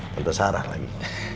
tante sarah lagi